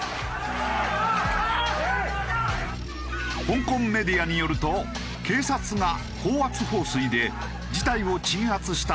香港メディアによると警察が高圧放水で事態を鎮圧したというが。